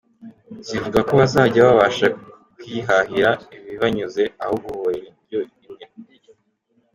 Zivuga ko bazajya babasha kwihahira ibibanyuze aho guhorera indryo imwe.